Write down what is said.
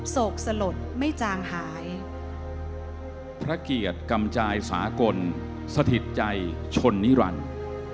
โศกสลดไม่จางหายพระเกียรติกำจายสากลสถิตใจชนนิรันดิ์